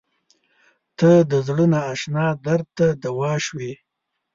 • ته د زړه نااشنا درد ته دوا شوې.